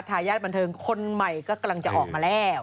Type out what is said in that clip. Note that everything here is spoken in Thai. ทายาทบันเทิงคนใหม่ก็กำลังจะออกมาแล้ว